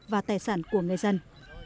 và tài sản của người dân